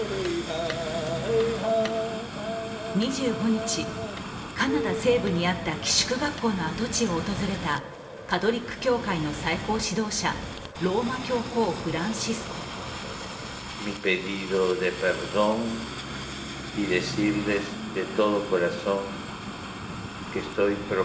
２５日、カナダ西部にあった寄宿学校の跡地を訪れたカトリック教会の最高指導者、ローマ教皇フランシスコ。